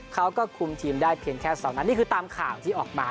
เขาก็คุมทีมได้เพียงแค่เสานั้นนี่คือตามข่าวที่ออกมา